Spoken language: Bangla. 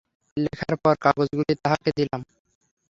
লেখার পর কাগজগুলি তাঁহাকে দিলাম।